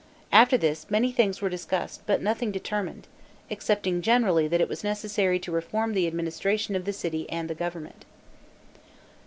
After this, many things were discussed, but nothing determined, excepting generally, that it was necessary to reform the administration of the city and government.